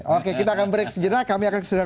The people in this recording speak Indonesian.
oke kita akan break segera kami akan kembali bersajar